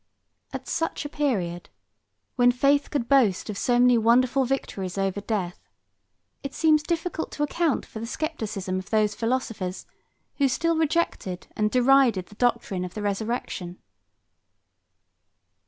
77 At such a period, when faith could boast of so many wonderful victories over death, it seems difficult to account for the scepticism of those philosophers, who still rejected and derided the doctrine of the resurrection.